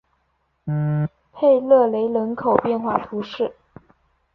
佩勒雷人口变化图示